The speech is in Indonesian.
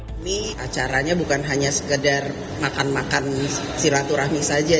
ini acaranya bukan hanya sekedar makan makan silaturahmi saja